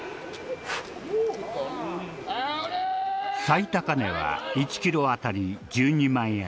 最高値は１キロあたり１２万円。